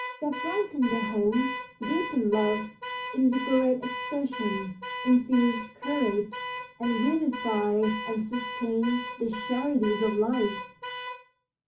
They brighten the home, deepen love, invigorate exertion, infuse courage, and vivify and sustain the charities of life.